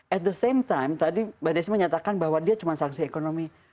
at the same time tadi mbak desi menyatakan bahwa dia cuma sanksi ekonomi